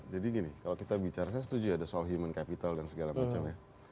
jadi gini kalau kita bicara saya setuju ya ada soal human capital dan segala macamnya